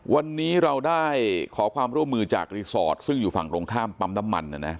วันนี้เราได้ขอความร่วมมือจากรีสอร์ทซึ่งอยู่ฝั่งตรงข้ามปั๊มน้ำมัน